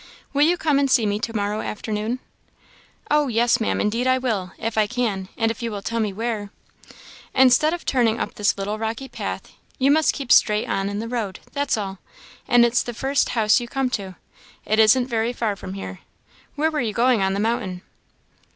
Will you come and see me to morrow afternoon?" "Oh, yes, Maam, indeed I will! if I can; and if you will tell me where." "Instead of turning up this little rocky path, you must keep straight on in the road that's all: and it's the first house you come to. It isn't very far from here. Where were you going on the mountain?"